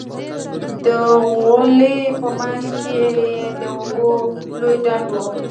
د غولي په منځ کښې يې د اوبو لوى ډنډ و.